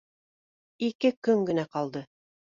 Ике көн генә ҡалды.